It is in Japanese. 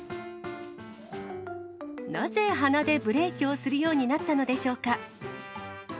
なぜ鼻でブレーキをするようになったのでしょうか。